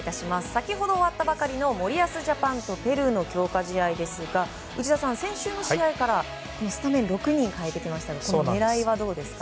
先ほど終わったばかりの森保ジャパンとペルーの強化試合ですが内田さん、先週の試合からスタメンを６人変えてきましたがこの狙いはどうですか？